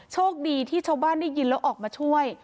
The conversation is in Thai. โชคดีที่ชาวบ้านได้ยินแล้วออกมาช่วย